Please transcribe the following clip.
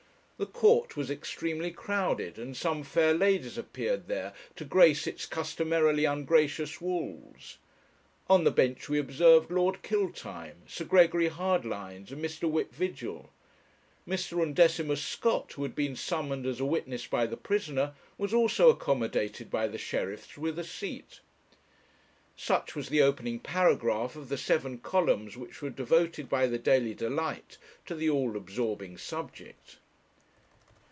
The court was extremely crowded, and some fair ladies appeared there to grace its customarily ungracious walls. On the bench we observed Lord Killtime, Sir Gregory Hardlines, and Mr. Whip Vigil. Mr. Undecimus Scott, who had been summoned as a witness by the prisoner, was also accommodated by the sheriffs with a seat.' Such was the opening paragraph of the seven columns which were devoted by the Daily Delight to the all absorbing subject.